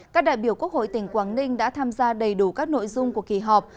các đại biểu quốc hội tỉnh quảng ninh đã tham gia đầy đủ các nội dung của kỳ họp